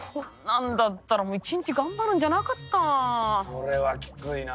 それはきついな。